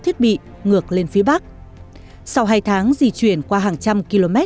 thiết bị ngược lên phía bắc sau hai tháng di chuyển qua hàng trăm